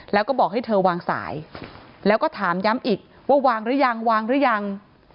แล้วก็บอกให้เธอวางสายแล้วก็ถามย้ำอีกว่าวางรึยัง